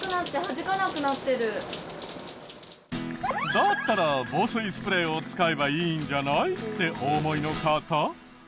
だったら防水スプレーを使えばいいんじゃない？ってお思いの方。